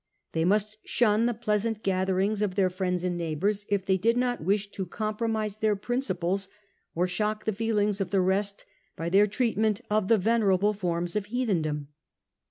They morose must shun the pleasant gatherings of their ^^' friends or neighbours, if they did not wish to compromise their principles or shock the feelings of the rest by their treatment of the venerable forms of heathen dom.